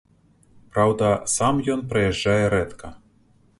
Праўда, сам ён прыязджае рэдка.